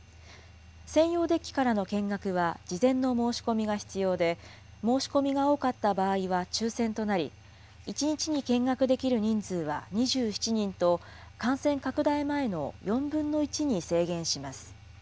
専用デッキからの見学は事前の申し込みが必要で、申し込みが多かった場合は抽せんとなり、１日に見学できる人数は２７人と、感染拡大前の４分の１に制限します。